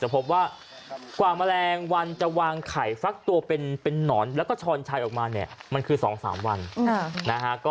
พบว่ากว่าแมลงวันจะวางไข่ฟักตัวเป็นนอนแล้วก็ช้อนชัยออกมาเนี่ยมันคือ๒๓วันนะฮะ